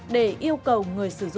để yêu cầu người sử dụng số tiền